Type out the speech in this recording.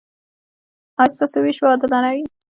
ایا ستاسو ویش به عادلانه وي؟